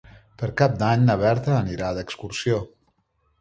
Per Cap d'Any na Berta anirà d'excursió.